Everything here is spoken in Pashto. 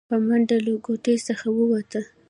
په منډه له کوټې څخه ووته.